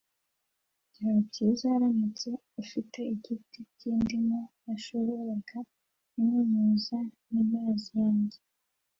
Byaba byiza uramutse ufite igiti cyindimu nashoboraga kunyunyuza mumazi yanjye.